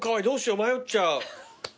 どうしよう迷っちゃう。